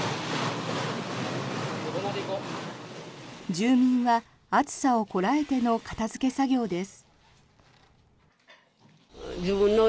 住民は暑さをこらえての片付け作業です。